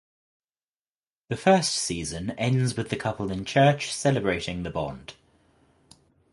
The first season ends with the couple in church celebrating the bond.